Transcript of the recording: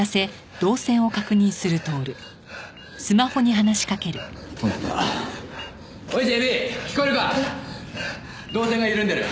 導線が緩んでる。